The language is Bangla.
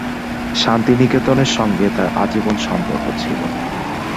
শান্তিনিকেতনের সঙ্গে তার আজীবন সম্পর্ক ছিল।